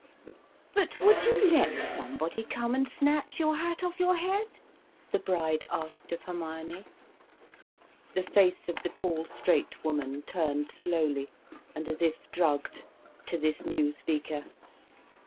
"But would you let somebody come and snatch your hat off your head?" the bride asked of Hermione. The face of the tall straight woman turned slowly and as if drugged to this new speaker.